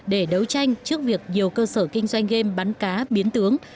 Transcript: để đấu tranh trước việc nhiều cơ sở kinh doanh game bắn cá biến tướng